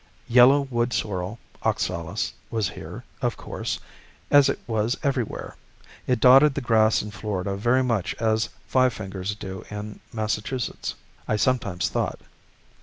Yellow wood sorrel (oxalis) was here, of course, as it was everywhere. It dotted the grass in Florida very much as five fingers do in Massachusetts, I sometimes thought.